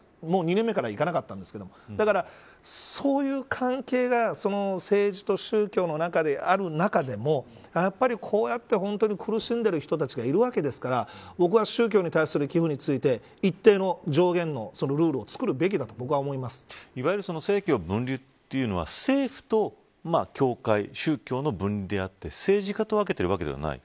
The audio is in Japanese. ２年目には行かなかったんですけどそういう関係が政治と宗教の中である中でもやっぱりこうやって本当に苦しんでる人たちがいるわけですから僕は宗教に対する寄付について一定の上限のルールをいわゆる政教分離というのは政府と協会宗教の分離であって政治家と分けているわけではない。